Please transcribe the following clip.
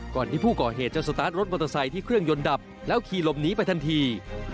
ก่อนที่ผู้ก่อเหตุจะสตาร์ทรถมอเตอร์ไซค์ที่เครื่องยนต์ดับแล้วขี่หลบหนีไปทันที